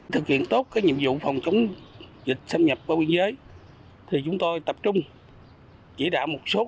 thực hiện tốt cái nhiệm vụ phòng chống dịch xâm nhập qua biên giới thì chúng tôi tập trung chỉ đạo một số